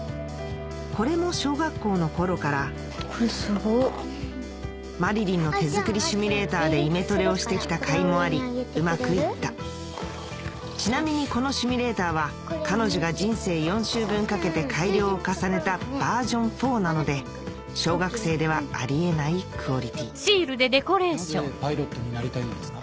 これも小学校の頃からこれすごまりりんの手作りシミュレーターでイメトレをしてきた甲斐もありうまくいったちなみにこのシミュレーターは彼女が人生４周分かけて改良を重ねたバージョン４なので小学生ではあり得ないクオリティーなぜパイロットになりたいのですか？